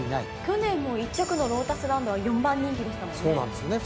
去年も１着のロータスランドは４番人気でしたもんね。